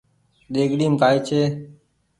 ۮيگڙيم ڪآئي ڇي